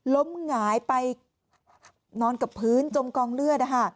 หงายไปนอนกับพื้นจมกองเลือด